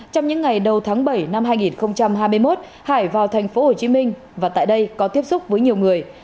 trong những ngày đầu tháng bảy năm hai nghìn hai mươi một hải vào tp hcm và tại đây có tiếp xúc với nhiều người